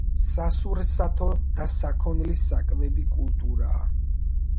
სასურსათო და საქონლის საკვები კულტურაა.